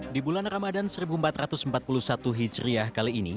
di bulan ramadan seribu empat ratus empat puluh satu hijriah kali ini